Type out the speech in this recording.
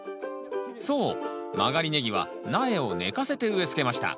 そう曲がりネギは苗を寝かせて植えつけました。